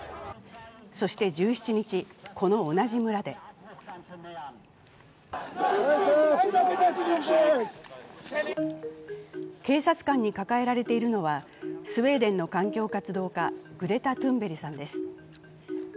そして１７日、この同じ村で警察官に抱えられているのは、スウェーデンの環境活動家、グレタ・トゥンベリさんです。